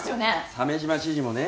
鮫島知事もね